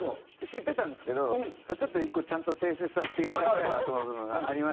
知ってたんですけどちょっと１個ちゃんと訂正させていただきたいなと思う部分がありまして。